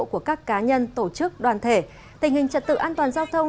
của các cá nhân tổ chức đoàn thể tình hình trật tự an toàn giao thông